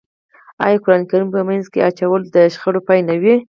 آیا قرآن کریم په منځ کې اچول د شخړې پای نه وي؟